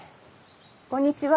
こんにちは。